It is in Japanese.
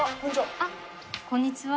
あっこんにちは。